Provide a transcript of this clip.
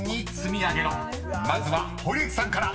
［まずは堀内さんから］